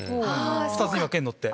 ２つに分けるのって。